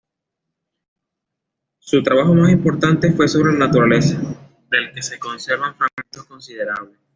Su trabajo más importante fue "Sobre la naturaleza", del que se conservan fragmentos considerables.